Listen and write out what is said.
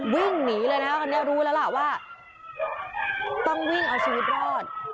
วิ่งหนีเลยนะคราวนี้รู้แล้วล่ะว่าต้องวิ่งเอาชีวิตรอด